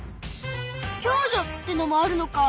共助ってのもあるのか。